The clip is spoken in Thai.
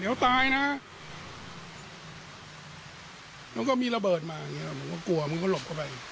ก็เลยฟังเข้ามาแค่นี้ไง